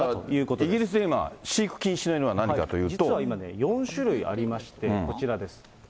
じゃあイギリスで今、実は今ね、４種類ありまして、こちらです。